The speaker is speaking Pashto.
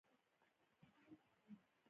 چې ده ته بايد ټرېننگ ورکړو.